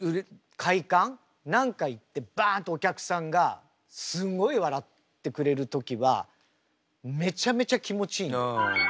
何か言ってバンとお客さんがすんごい笑ってくれる時はめちゃめちゃ気持ちいい。